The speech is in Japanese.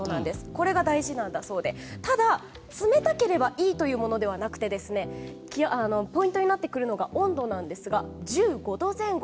これが大事なんだそうでただ、冷たければいいというわけではなくてポイントになってくるのが温度なんですが１５度前後。